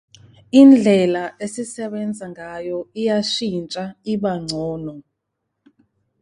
Indlela esisebenza ngayo iyashintsha iba ngcono.